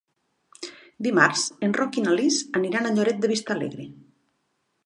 Dimarts en Roc i na Lis aniran a Lloret de Vistalegre.